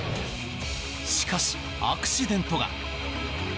しかし、アクシデントが。